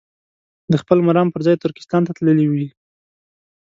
د خپل مرام پر ځای ترکستان ته تللي وي.